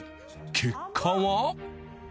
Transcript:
結果は？